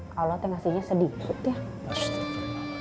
kalau tengasinya sedikit ya